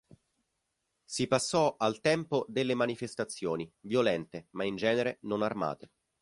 Si passò al tempo delle manifestazioni, violente ma in genere non armate.